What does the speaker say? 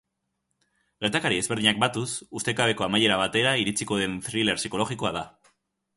Gertakari ezberdinak batuz, ustekabeko amaiera batera iritsiko den thriller psikologikoa da.